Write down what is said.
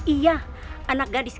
iya anak gadis kami